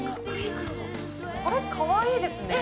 これ、かわいいですね。